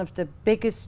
vậy thì ai biết